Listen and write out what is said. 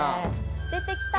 出てきた！